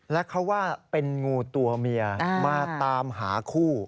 และเขาว่าเป็นงูตัวเมียมาตามหาคู่